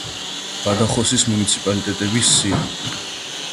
ბადახოსის მუნიციპალიტეტების სია.